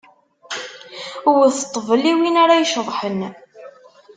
Wwet ṭṭbel, i win ara iceḍḥen!